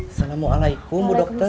assalamualaikum bu dokter